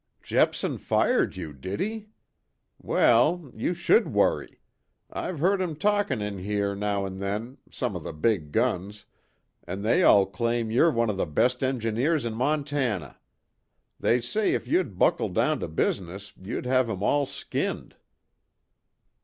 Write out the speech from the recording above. "Jepson fired you, did he! Well, you should worry. I've heard 'em talkin' in here, now an' then some of the big guns an' they all claim you're one of the best engineers in Montana. They say if you'd buckle down to business you'd have 'em all skinned."